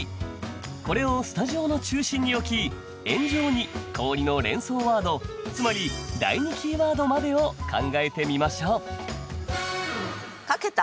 これをスタジオの中心に置き円状に「氷」の連想ワードつまり第２キーワードまでを考えてみましょう書けた？